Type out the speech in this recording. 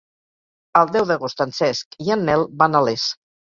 El deu d'agost en Cesc i en Nel van a Les.